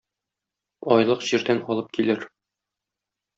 Айлык җирдән алып килер.